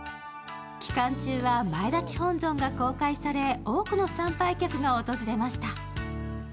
期間中は前立本尊が公開され多くの参拝客が訪れました。